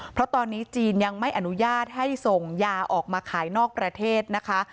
เพราะตอนนี้จีนยังไม่อนุญาตให้ส่งยาออกมาขายนอกประเทศนะคะ